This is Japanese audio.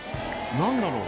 何だろう？